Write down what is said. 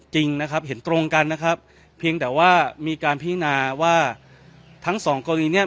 จริงนะครับเห็นตรงกันนะครับเพียงแต่ว่ามีการพินาว่าทั้งสองกรณีเนี้ย